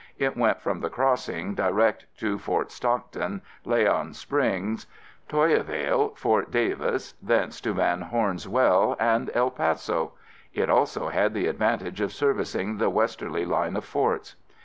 It went from the Crossing direct to Fort Stockton, Leon Springs, Toyahvale, Fort Davis, thence to Van Horn's well and El Paso. It also had the advantage of servicing the westerly line of forts.